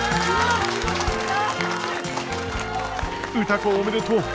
歌子おめでとう！